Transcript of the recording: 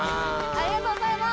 ありがとうございます！